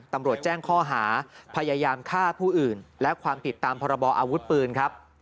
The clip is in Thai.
ตำรวจแจ้งข้อหาพยายามฆ่าผู้อื่นและความผิดตามพรบออาวุธปืนครับ